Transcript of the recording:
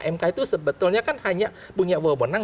mk itu sebetulnya kan hanya punya wewenang